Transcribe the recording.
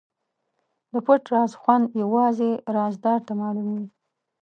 د پټ راز خوند یوازې رازدار ته معلوم وي.